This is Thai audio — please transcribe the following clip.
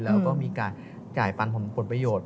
แล้วก็มีการจ่ายปันผลประโยชน์